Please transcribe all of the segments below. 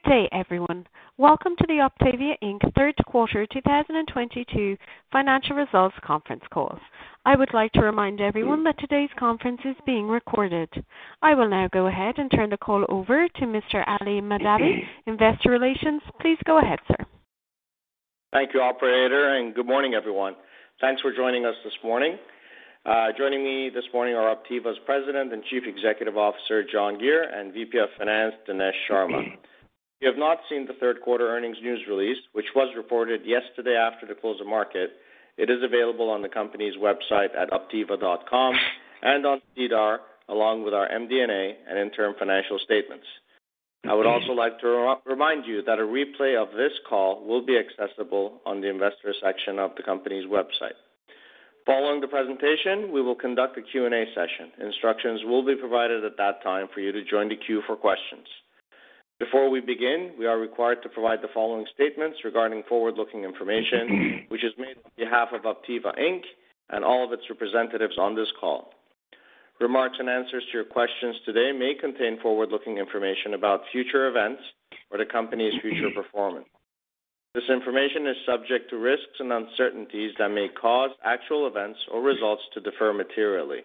Good day, everyone. Welcome to the Optiva Inc.'s third quarter 2022 financial results conference call. I would like to remind everyone that today's conference is being recorded. I will now go ahead and turn the call over to Mr. Ali Mahdavi, Investor Relations. Please go ahead, sir. Thank you, operator, and good morning, everyone. Thanks for joining us this morning. Joining me this morning are Optiva's President and Chief Executive Officer, John Giere, and VP of Finance, Dinesh Sharma. If you have not seen the third quarter earnings news release, which was reported yesterday after the close of market, it is available on the company's website at optiva.com and on SEDAR, along with our MD&A and interim financial statements. I would also like to remind you that a replay of this call will be accessible on the investor section of the company's website. Following the presentation, we will conduct a Q&A session. Instructions will be provided at that time for you to join the queue for questions. Before we begin, we are required to provide the following statements regarding forward-looking information which is made on behalf of Optiva Inc. All of its representatives on this call. Remarks and answers to your questions today may contain forward-looking information about future events or the company's future performance. This information is subject to risks and uncertainties that may cause actual events or results to differ materially.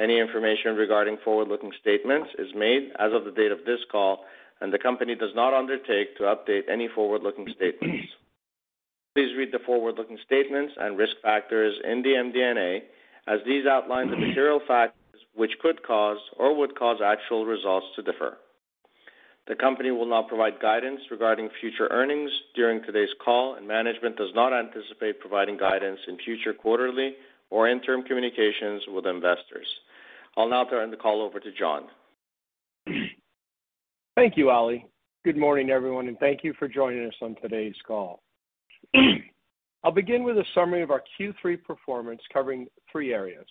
Any information regarding forward-looking statements is made as of the date of this call, and the company does not undertake to update any forward-looking statements. Please read the forward-looking statements and risk factors in the MD&A as these outline the material factors which could cause or would cause actual results to differ. The company will not provide guidance regarding future earnings during today's call, and management does not anticipate providing guidance in future quarterly or interim communications with investors. I'll now turn the call over to John. Thank you, Ali. Good morning, everyone, and thank you for joining us on today's call. I'll begin with a summary of our Q3 performance covering three areas.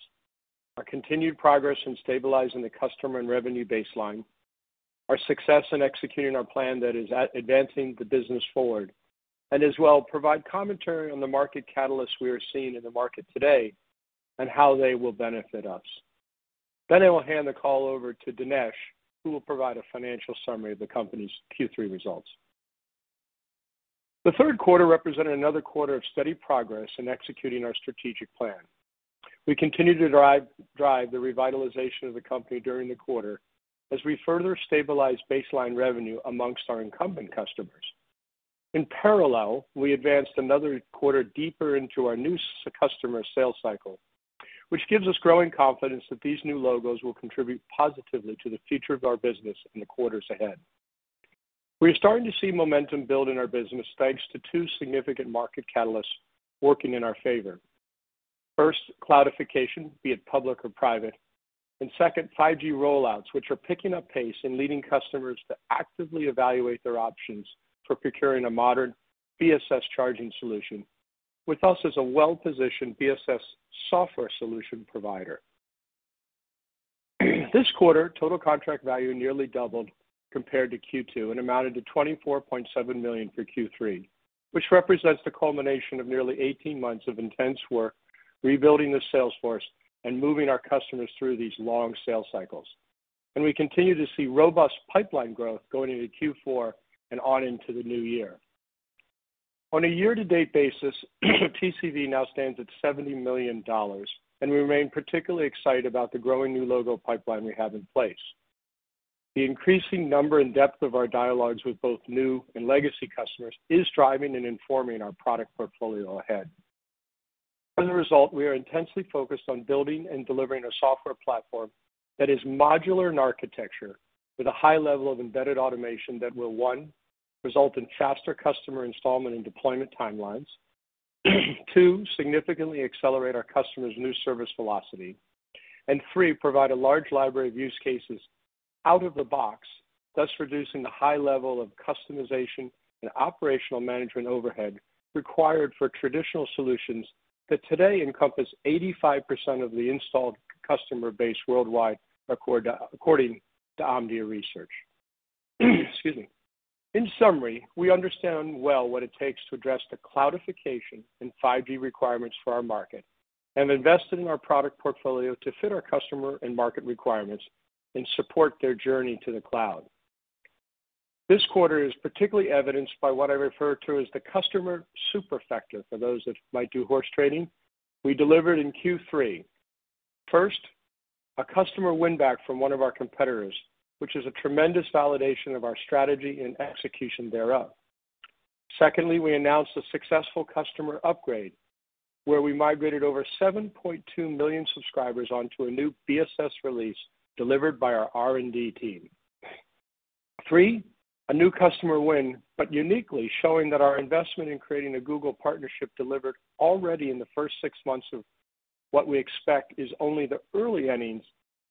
Our continued progress in stabilizing the customer and revenue baseline, our success in executing our plan that is advancing the business forward, and as well, provide commentary on the market catalysts we are seeing in the market today and how they will benefit us. Then I will hand the call over to Dinesh, who will provide a financial summary of the company's Q3 results. The third quarter represented another quarter of steady progress in executing our strategic plan. We continue to drive the revitalization of the company during the quarter as we further stabilize baseline revenue amongst our incumbent customers. In parallel, we advanced another quarter deeper into our new customer sales cycle, which gives us growing confidence that these new logos will contribute positively to the future of our business in the quarters ahead. We are starting to see momentum build in our business, thanks to two significant market catalysts working in our favor. First, cloudification, be it public or private, and second, 5G rollouts, which are picking up pace and leading customers to actively evaluate their options for procuring a modern BSS charging solution, with us as a well-positioned BSS software solution provider. This quarter, total contract value nearly doubled compared to Q2 and amounted to $24.7 million for Q3, which represents the culmination of nearly 18 months of intense work rebuilding the sales force and moving our customers through these long sales cycles. We continue to see robust pipeline growth going into Q4 and on into the new year. On a year-to-date basis, TCV now stands at $70 million, and we remain particularly excited about the growing new logo pipeline we have in place. The increasing number and depth of our dialogues with both new and legacy customers is driving and informing our product portfolio ahead. As a result, we are intensely focused on building and delivering a software platform that is modular in architecture with a high level of embedded automation that will, one, result in faster customer installment and deployment timelines. Two, significantly accelerate our customers' new service velocity. Three, provide a large library of use cases out of the box, thus reducing the high level of customization and operational management overhead required for traditional solutions that today encompass 85% of the installed customer base worldwide according to Omdia research. Excuse me. In summary, we understand well what it takes to address the cloudification and 5G requirements for our market and invest in our product portfolio to fit our customer and market requirements and support their journey to the cloud. This quarter is particularly evidenced by what I refer to as the customer superfecta for those that might do horse racing. We delivered in Q3. First, a customer win-back from one of our competitors, which is a tremendous validation of our strategy and execution thereof. Secondly, we announced a successful customer upgrade where we migrated over 7.2 million subscribers onto a new BSS release delivered by our R&D team. Three, a new customer win, but uniquely showing that our investment in creating a Google partnership delivered already in the first six months of what we expect is only the early innings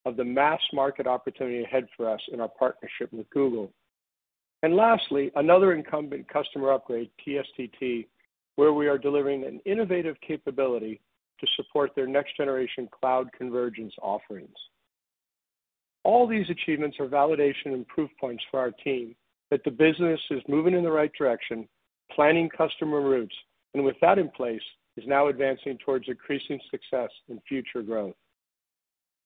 of the mass market opportunity ahead for us in our partnership with Google. Lastly, another incumbent customer upgrade, TSTT, where we are delivering an innovative capability to support their next generation cloud convergence offerings. All these achievements are validation and proof points for our team that the business is moving in the right direction, planning customer routes, and with that in place, is now advancing towards increasing success and future growth.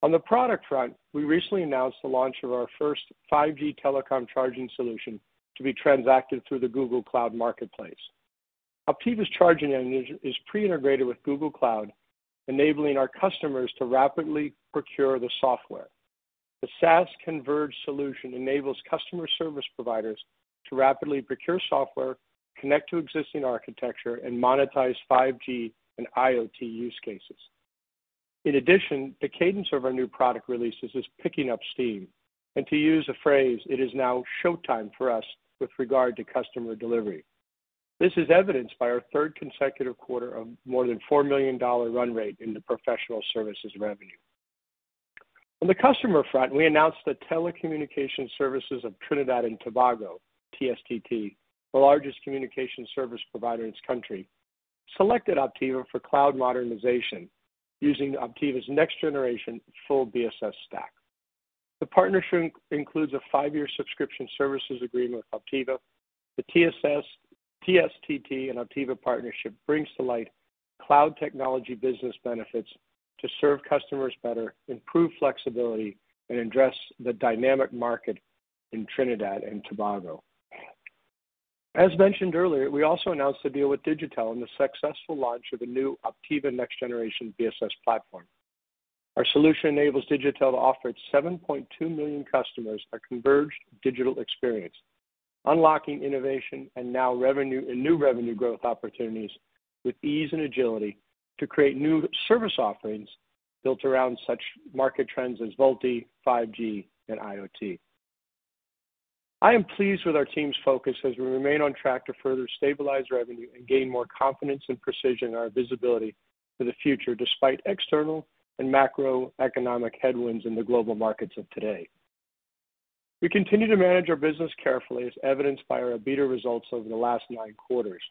On the product front, we recently announced the launch of our first 5G telecom charging solution to be transacted through the Google Cloud Marketplace. Optiva's charging engine is pre-integrated with Google Cloud, enabling our customers to rapidly procure the software. The SaaS converged solution enables customer service providers to rapidly procure software, connect to existing architecture, and monetize 5G and IoT use cases. In addition, the cadence of our new product releases is picking up steam, and to use a phrase, it is now showtime for us with regard to customer delivery. This is evidenced by our third consecutive quarter of more than $4 million run rate in the professional services revenue. On the customer front, we announced that Telecommunications Services of Trinidad and Tobago, TSTT, the largest communication service provider in its country, selected Optiva for cloud modernization using Optiva's next-generation full BSS stack. The partnership includes a five-year subscription services agreement with Optiva. The TSTT and Optiva partnership brings to light cloud technology business benefits to serve customers better, improve flexibility, and address the dynamic market in Trinidad and Tobago. As mentioned earlier, we also announced a deal with Digicel in the successful launch of the new Optiva next-generation BSS platform. Our solution enables Digicel to offer its 7.2 million customers a converged digital experience, unlocking innovation and new revenue growth opportunities with ease and agility to create new service offerings built around such market trends as VoLTE, 5G, and IoT. I am pleased with our team's focus as we remain on track to further stabilize revenue and gain more confidence and precision in our visibility for the future, despite external and macroeconomic headwinds in the global markets of today. We continue to manage our business carefully, as evidenced by our better results over the last nine quarters.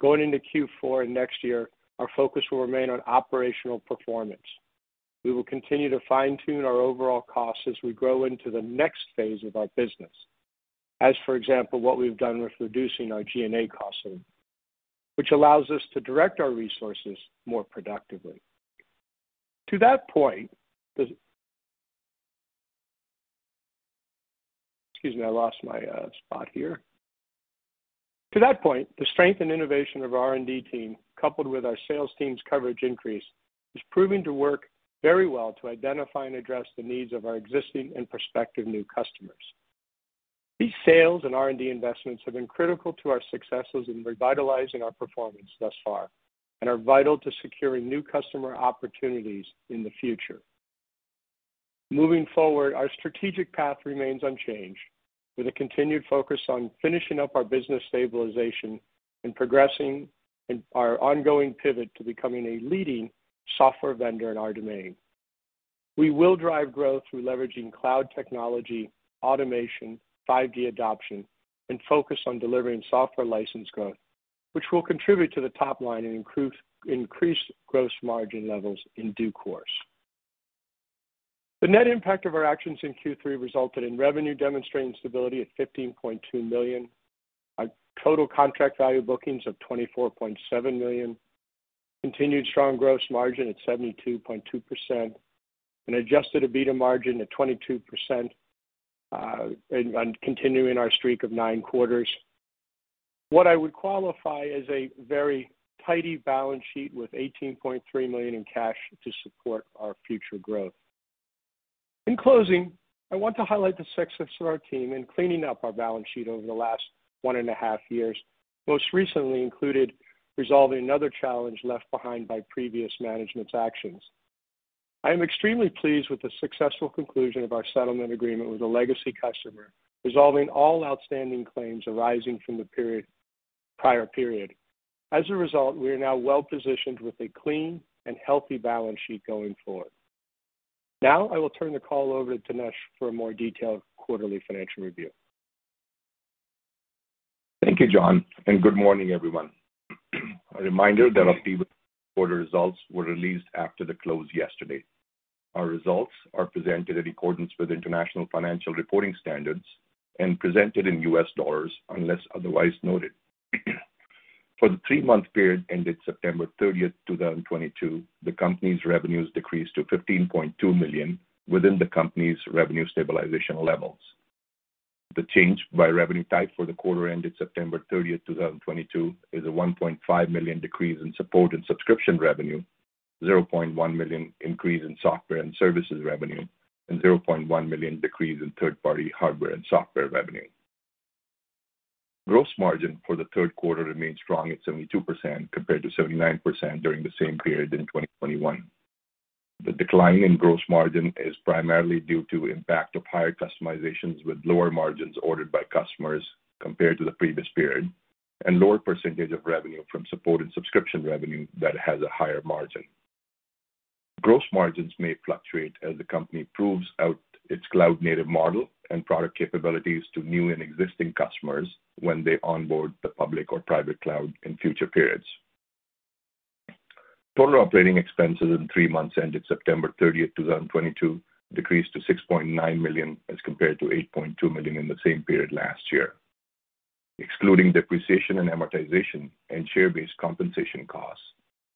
Going into Q4 next year, our focus will remain on operational performance. We will continue to fine-tune our overall costs as we grow into the next phase of our business. As for example, what we've done with reducing our G&A costs, which allows us to direct our resources more productively. To that point, excuse me, I lost my spot here. To that point, the strength and innovation of our R&D team, coupled with our sales team's coverage increase, is proving to work very well to identify and address the needs of our existing and prospective new customers. These sales and R&D investments have been critical to our successes in revitalizing our performance thus far and are vital to securing new customer opportunities in the future. Moving forward, our strategic path remains unchanged, with a continued focus on finishing up our business stabilization and progressing in our ongoing pivot to becoming a leading software vendor in our domain. We will drive growth through leveraging cloud technology, automation, 5G adoption, and focus on delivering software license growth, which will contribute to the top line and improve increased gross margin levels in due course. The net impact of our actions in Q3 resulted in revenue demonstrating stability at $15.2 million, a total contract value bookings of $24.7 million, continued strong gross margin at 72.2%, an adjusted EBITDA margin of 22%, and continuing our streak of nine quarters. What I would qualify as a very tidy balance sheet with $18.3 million in cash to support our future growth. In closing, I want to highlight the success of our team in cleaning up our balance sheet over the last one and a half years, most recently including resolving another challenge left behind by previous management's actions. I am extremely pleased with the successful conclusion of our settlement agreement with a legacy customer, resolving all outstanding claims arising from the prior period. As a result, we are now well-positioned with a clean and healthy balance sheet going forward. Now, I will turn the call over to Dinesh for a more detailed quarterly financial review. Thank you, John, and good morning, everyone. A reminder that Optiva quarter results were released after the close yesterday. Our results are presented in accordance with International Financial Reporting Standards and presented in US dollars, unless otherwise noted. For the three-month period ended September 30, 2022, the company's revenues decreased to $15.2 million within the company's revenue stabilization levels. The change by revenue type for the quarter ended September 30, 2022, is a $1.5 million decrease in support and subscription revenue, $0.1 million increase in software and services revenue, and $0.1 million decrease in third-party hardware and software revenue. Gross margin for the third quarter remained strong at 72%, compared to 79% during the same period in 2021. The decline in gross margin is primarily due to impact of higher customizations with lower margins ordered by customers compared to the previous period, and lower percentage of revenue from support and subscription revenue that has a higher margin. Gross margins may fluctuate as the company proves out its cloud-native model and product capabilities to new and existing customers when they onboard the public or private cloud in future periods. Total operating expenses in the three months ended September 30, 2022, decreased to $6.9 million as compared to $8.2 million in the same period last year. Excluding depreciation and amortization and share-based compensation costs,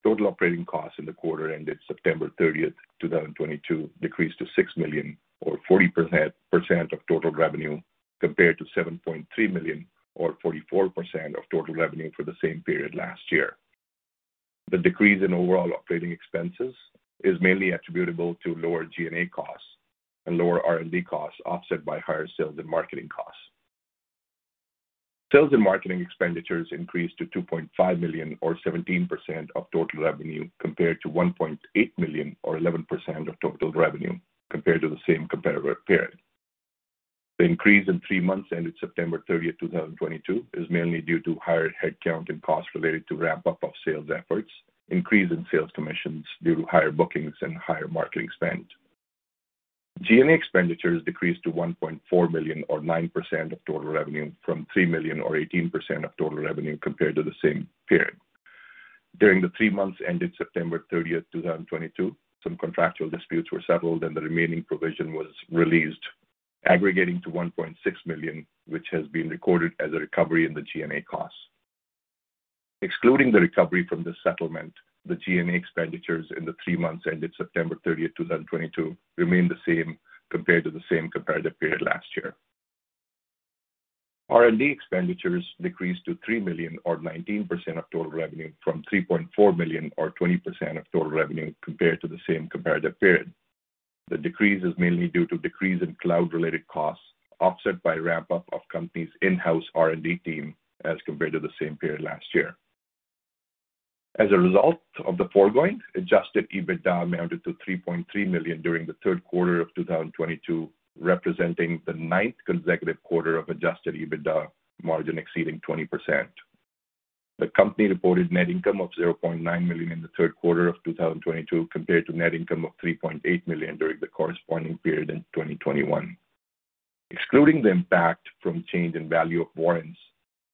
total operating costs in the quarter ended September 30, 2022, decreased to $6 million or 40% of total revenue, compared to $7.3 million or 44% of total revenue for the same period last year. The decrease in overall operating expenses is mainly attributable to lower G&A costs and lower R&D costs, offset by higher sales and marketing costs. Sales and marketing expenditures increased to $2.5 million or 17% of total revenue, compared to $1.8 million or 11% of total revenue compared to the same comparable period. The increase in three months ended September 30, 2022, is mainly due to higher head count and costs related to ramp-up of sales efforts, increase in sales commissions due to higher bookings and higher marketing spend. G&A expenditures decreased to $1.4 million or 9% of total revenue from $3 million or 18% of total revenue compared to the same period. During the three months ended September thirtieth, two thousand and twenty-two, some contractual disputes were settled and the remaining provision was released, aggregating to $1.6 million, which has been recorded as a recovery in the G&A costs. Excluding the recovery from the settlement, the G&A expenditures in the three months ended September 13th, 2022, remain the same compared to the same comparative period last year. R&D expenditures decreased to $3 million or 19% of total revenue from $3.4 million or 20% of total revenue compared to the same comparative period. The decrease is mainly due to decrease in cloud-related costs, offset by ramp-up of company's in-house R&D team as compared to the same period last year. As a result of the foregoing, adjusted EBITDA amounted to $3.3 million during the third quarter of 2022, representing the ninth consecutive quarter of adjusted EBITDA margin exceeding 20%. The company reported net income of $0.9 million in the third quarter of 2022 compared to net income of $3.8 million during the corresponding period in 2021. Excluding the impact from change in value of warrants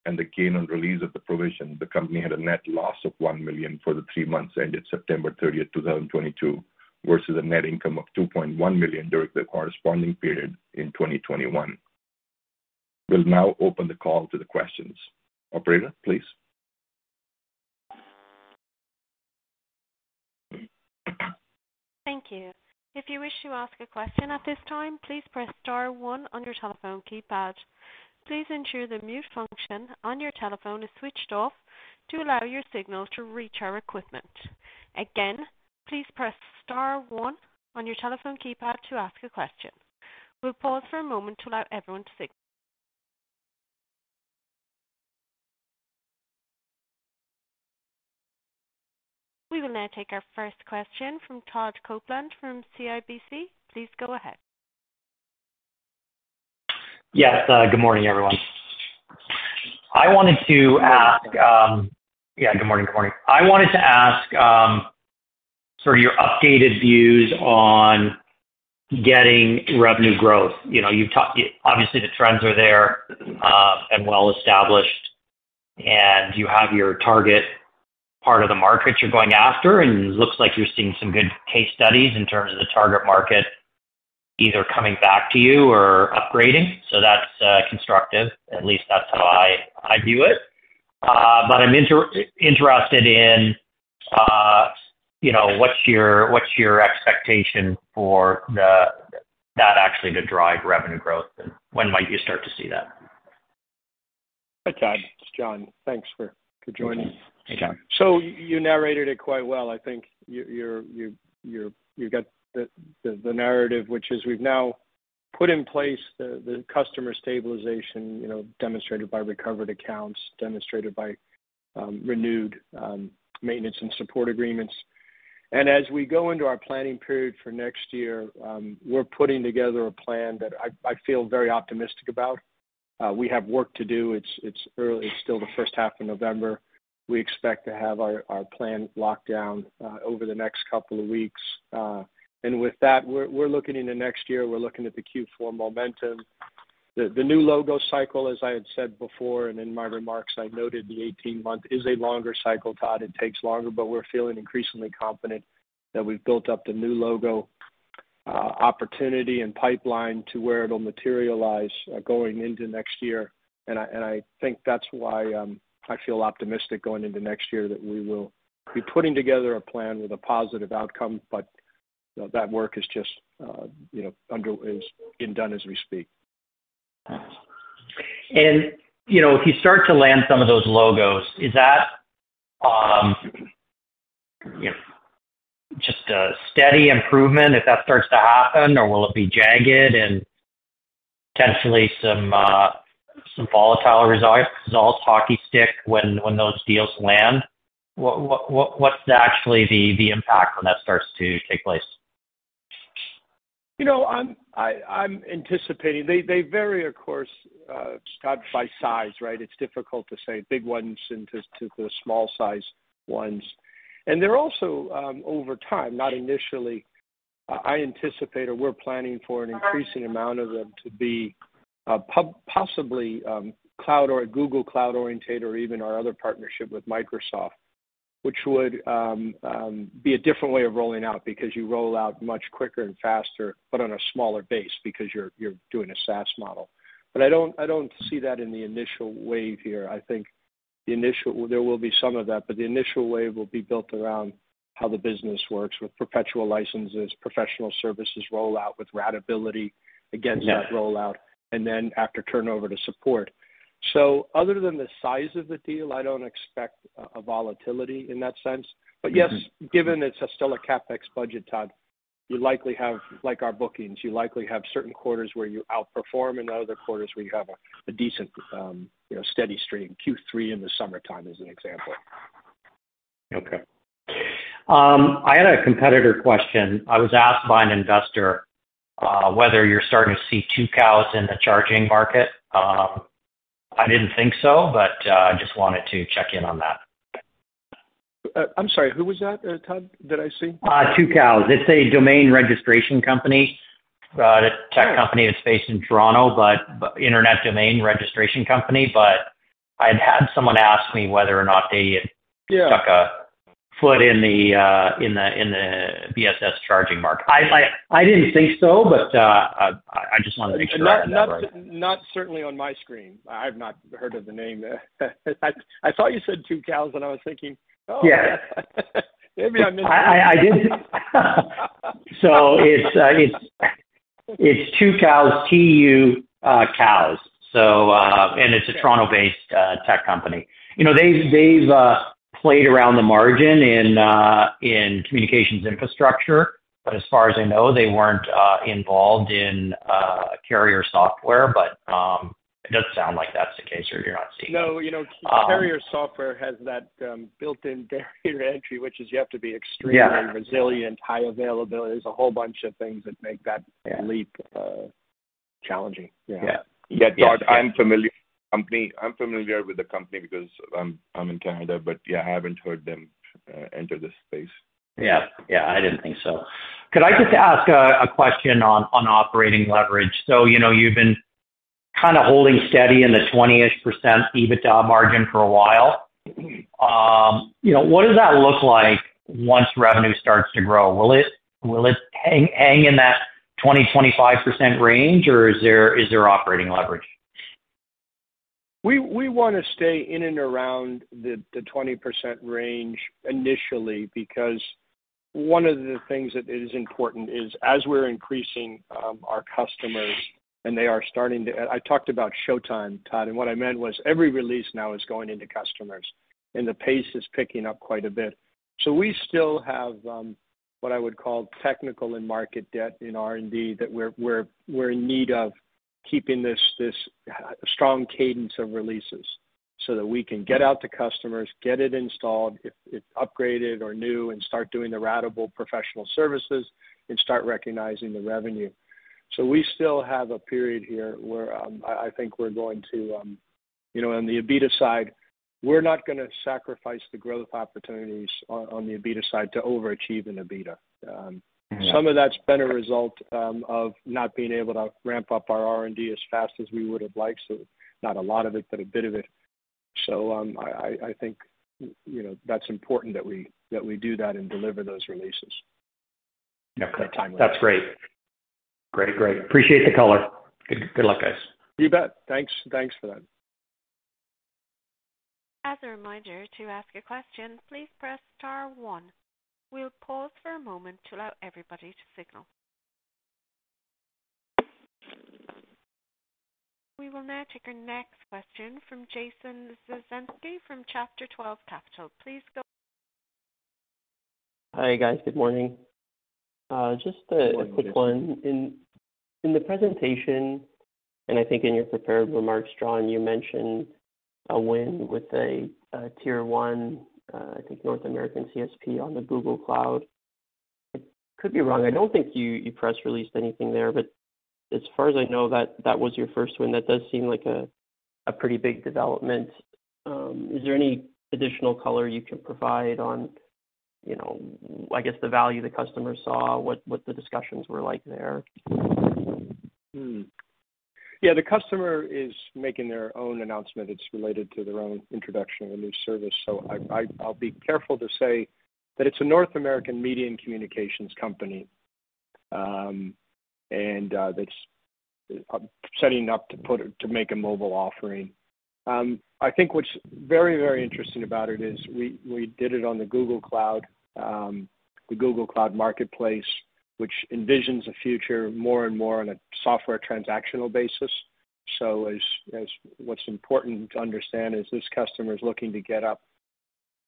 and the gain on release of the provision, the company had a net loss of $1 million for the three months ended September 30, 2022, versus a net income of $2.1 million during the corresponding period in 2021. We'll now open the call to the questions. Operator, please. Thank you. If you wish to ask a question at this time, please press star one on your telephone keypad. Please ensure the mute function on your telephone is switched off to allow your signal to reach our equipment. Again, please press star one on your telephone keypad to ask a question. We'll pause for a moment to allow everyone to signal. We will now take our first question from Todd Coupland from CIBC. Please go ahead. Yes, good morning, everyone. I wanted to ask. Yeah, good morning, Courtney. I wanted to ask sort of your updated views on getting revenue growth. You know, you've talked. Obviously, the trends are there, and well-established, and you have your target part of the market you're going after, and it looks like you're seeing some good case studies in terms of the target market either coming back to you or upgrading. That's constructive. At least that's how I view it. I'm interested in, you know, what's your expectation for that actually to drive revenue growth, and when might you start to see that? Hi, Todd. It's John. Thanks for joining. Hey, John. You narrated it quite well. I think you got the narrative, which is we've now put in place the customer stabilization, you know, demonstrated by recovered accounts, demonstrated by renewed maintenance and support agreements. As we go into our planning period for next year, we're putting together a plan that I feel very optimistic about. We have work to do. It's early. It's still the first half of November. We expect to have our plan locked down over the next couple of weeks. With that, we're looking into next year. We're looking at the Q4 momentum. The new logo cycle, as I had said before and in my remarks I noted the 18-month is a longer cycle, Todd. It takes longer, but we're feeling increasingly confident that we've built up the new logo opportunity and pipeline to where it'll materialize going into next year. I think that's why I feel optimistic going into next year that we will be putting together a plan with a positive outcome. You know, that work is just you know is being done as we speak. You know, if you start to land some of those logos, is that, you know, just a steady improvement if that starts to happen? Or will it be jagged and potentially some volatile results, hockey stick when those deals land? What's actually the impact when that starts to take place? You know, I'm anticipating. They vary, of course, Todd, by size, right? It's difficult to say big ones and to the small size ones. They're also over time, not initially. I anticipate or we're planning for an increasing amount of them to be possibly cloud or Google Cloud-oriented or even our other partnership with Microsoft. Which would be a different way of rolling out because you roll out much quicker and faster, but on a smaller base because you're doing a SaaS model. I don't see that in the initial wave here. I think there will be some of that, but the initial wave will be built around how the business works with perpetual licenses, professional services rollout, with ratability against that rollout, and then after turnover to support. Other than the size of the deal, I don't expect a volatility in that sense. Yes, given it's still a CapEx budget, Todd, you likely have, like our bookings, you likely have certain quarters where you outperform and other quarters where you have a decent, you know, steady stream. Q3 in the summertime is an example. Okay. I had a competitor question. I was asked by an investor whether you're starting to see Tucows in the charging market. I didn't think so, but just wanted to check in on that. I'm sorry, who was that, Todd, that I see? Tucows. It's a domain registration company, the tech company is based in Toronto, but internet domain registration company. I'd had someone ask me whether or not they- Yeah. Stuck a foot in the BSS charging market. I didn't think so, but I just wanted to make sure I had that right. Not certainly on my screen. I've not heard of the name. I thought you said Tucows, and I was thinking, "Oh. Yeah. Maybe I'm missing. I didn't. It's Tucows, Tucows. It's a Toronto-based tech company. You know, they've played around the margin in communications infrastructure, but as far as I know, they weren't involved in carrier software. It does sound like that's the case here, you're not seeing. No, you know, carrier software has that built-in barrier to entry, which is you have to be extremely resilient, high availability. There's a whole bunch of things that make that leap challenging. Yeah. Yeah. Yeah. Todd, I'm familiar with the company because I'm in Canada, but yeah, I haven't heard them enter this space. Yeah. Yeah. I didn't think so. Could I just ask a question on operating leverage? You know, you've been kinda holding steady in the 20-ish% EBITDA margin for a while. You know, what does that look like once revenue starts to grow? Will it hang in that 25% range, or is there operating leverage? We wanna stay in and around the 20% range initially because one of the things that is important is as we're increasing our customers and they are starting to. I talked about showtime, Todd, and what I meant was every release now is going into customers, and the pace is picking up quite a bit. We still have what I would call technical and market debt in R&D that we're in need of keeping this strong cadence of releases so that we can get out to customers, get it installed, if it's upgraded or new, and start doing the ratable professional services and start recognizing the revenue. We still have a period here where I think we're going to. You know, in the EBITDA side, we're not gonna sacrifice the growth opportunities on the EBITDA side to overachieve in EBITDA. Mm-hmm. Some of that's been a result of not being able to ramp up our R&D as fast as we would have liked, so not a lot of it, but a bit of it. I think, you know, that's important that we do that and deliver those releases. Yeah. At that time. That's great. Great. Great. Appreciate the color. Good luck, guys. You bet. Thanks, thanks for that. As a reminder, to ask a question, please press star one. We'll pause for a moment to allow everybody to signal. We will now take our next question from Jason Bazinet from Citigroup. Please go ahead. Hi, guys. Good morning. Just a quick one. Good morning, Jason. In the presentation, I think in your prepared remarks, John, you mentioned a win with a tier one, I think North American CSP on the Google Cloud. I could be wrong. I don't think you press released anything there, but as far as I know, that was your first win. That does seem like a pretty big development. Is there any additional color you can provide on, you know, I guess, the value the customer saw? What the discussions were like there? Yeah, the customer is making their own announcement. It's related to their own introduction of a new service. I'll be careful to say that it's a North American media and communications company, and that's setting up to make a mobile offering. I think what's very, very interesting about it is we did it on the Google Cloud, the Google Cloud Marketplace, which envisions a future more and more on a software transactional basis. What's important to understand is this customer is looking to get up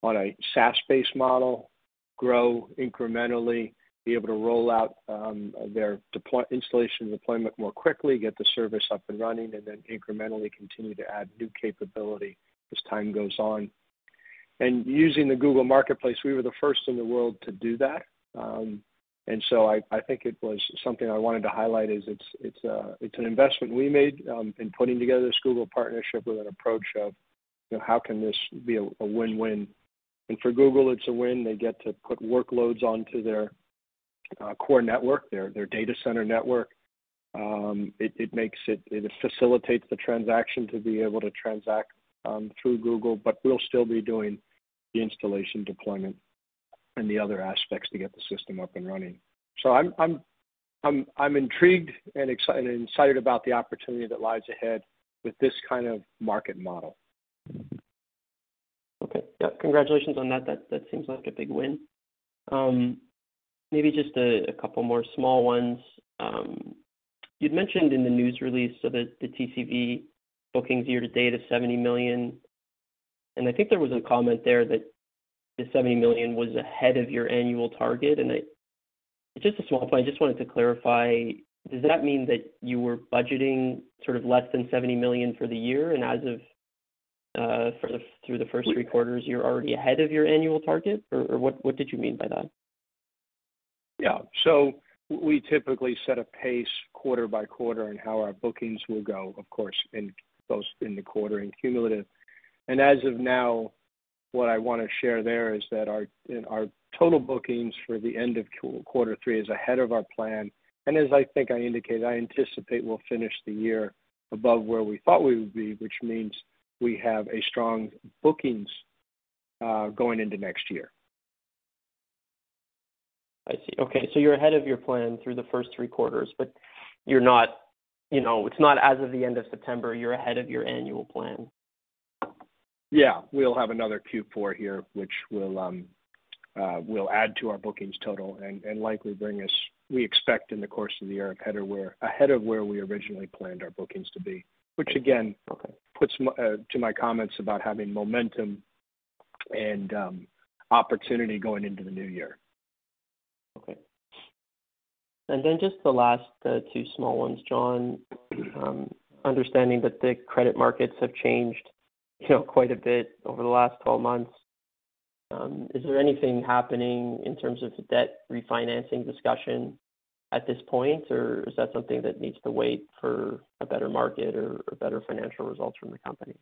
on a SaaS-based model, grow incrementally, be able to roll out their installation deployment more quickly, get the service up and running, and then incrementally continue to add new capability as time goes on. Using the Google Marketplace, we were the first in the world to do that. I think it was something I wanted to highlight. It's an investment we made in putting together this Google partnership with an approach of, you know, how can this be a win-win? For Google, it's a win. They get to put workloads onto their core network, their data center network. It facilitates the transaction to be able to transact through Google, but we'll still be doing the installation deployment and the other aspects to get the system up and running. I'm intrigued and excited about the opportunity that lies ahead with this kind of market model. Okay. Yeah, congratulations on that. That seems like a big win. Maybe just a couple more small ones. You'd mentioned in the news release so that the TCV bookings year to date is $70 million, and I think there was a comment there that the $70 million was ahead of your annual target. Just a small point, I just wanted to clarify, does that mean that you were budgeting sort of less than $70 million for the year and as of through the first three quarters, you're already ahead of your annual target? Or what did you mean by that? Yeah. We typically set a pace quarter by quarter in how our bookings will go, of course, in both the quarter and cumulative. As of now, what I wanna share there is that our total bookings for the end of Q3 is ahead of our plan. As I think I indicated, I anticipate we'll finish the year above where we thought we would be, which means we have a strong bookings going into next year. I see. Okay, so you're ahead of your plan through the first three quarters, but you're not, you know, it's not as of the end of September, you're ahead of your annual plan. Yeah. We'll have another Q4 here, which will add to our bookings total and likely bring us, we expect in the course of the year, ahead of where we originally planned our bookings to be. Which again. Okay. to my comments about having momentum and opportunity going into the new year. Okay. Just the last two small ones, John. Understanding that the credit markets have changed, you know, quite a bit over the last 12 months, is there anything happening in terms of the debt refinancing discussion at this point? Or is that something that needs to wait for a better market or better financial results from the company?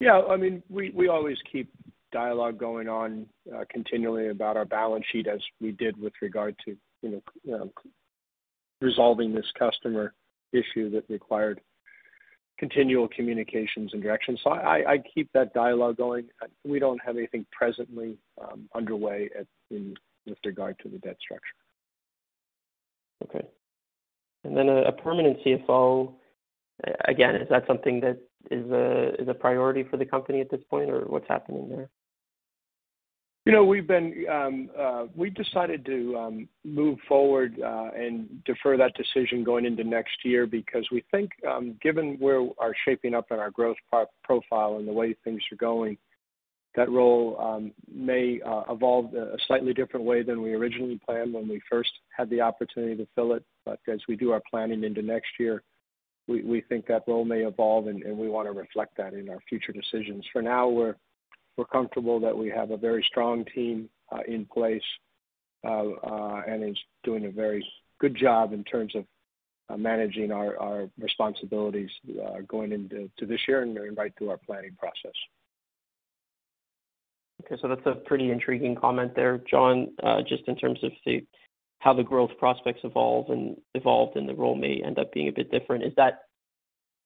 Yeah. I mean, we always keep dialogue going on continually about our balance sheet, as we did with regard to, you know, resolving this customer issue that required continual communications and direction. I keep that dialogue going. We don't have anything presently underway in with regard to the debt structure. Okay. A permanent CFO. Again, is that something that is a priority for the company at this point, or what's happening there? You know, we've decided to move forward and defer that decision going into next year because we think, given where we are shaping up in our growth profile and the way things are going, that role may evolve a slightly different way than we originally planned when we first had the opportunity to fill it. As we do our planning into next year, we think that role may evolve, and we wanna reflect that in our future decisions. For now, we're comfortable that we have a very strong team in place and is doing a very good job in terms of managing our responsibilities going into this year and right through our planning process. Okay. That's a pretty intriguing comment there, John, just in terms of how the growth prospects evolve and evolved and the role may end up being a bit different. Is that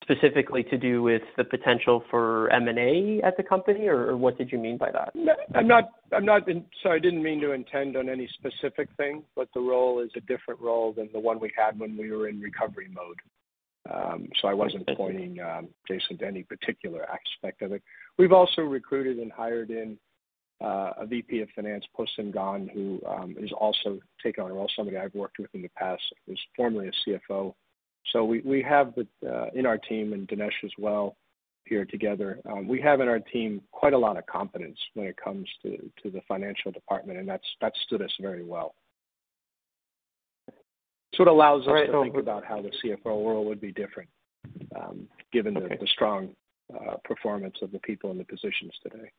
specifically to do with the potential for M&A at the company, or what did you mean by that? No, I'm not. I didn't mean to intend on any specific thing, but the role is a different role than the one we had when we were in recovery mode. I wasn't pointing, Jason, to any particular aspect of it. We've also recruited and hired a VP of Finance, Poh-Sim Gan, who is also taking on a role. Somebody I've worked with in the past was formerly a CFO. We have them in our team and Dinesh as well here together. We have in our team quite a lot of confidence when it comes to the financial department, and that's stood us very well. It allows us to think about how the CFO role would be different given the strong performance of the people in the positions today.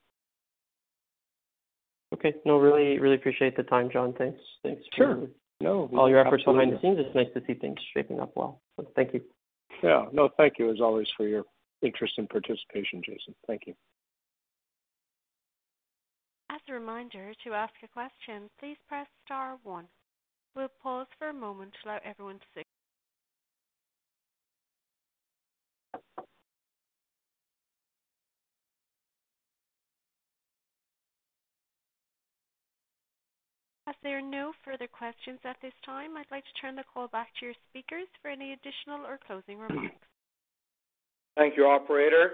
Okay. No, really, really appreciate the time, John. Thanks. Sure. No. All your efforts behind the scenes. It's nice to see things shaping up well. Thank you. Yeah. No, thank you as always for your interest and participation, Jason. Thank you. As a reminder, to ask a question, please press star one. We'll pause for a moment to allow everyone to think. As there are no further questions at this time, I'd like to turn the call back to your speakers for any additional or closing remarks. Thank you, operator.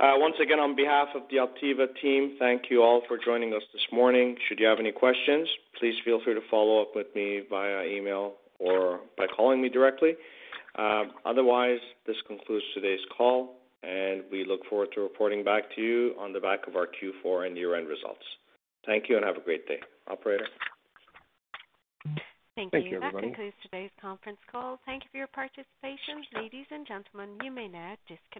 Once again, on behalf of the Optiva team, thank you all for joining us this morning. Should you have any questions, please feel free to follow up with me via email or by calling me directly. Otherwise, this concludes today's call, and we look forward to reporting back to you on the back of our Q4 and year-end results. Thank you and have a great day. Operator? Thank you. Thank you, everybody. That concludes today's conference call. Thank you for your participation. Ladies and gentlemen, you may now disconnect.